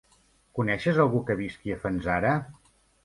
Coneixes algú que visqui a Fanzara?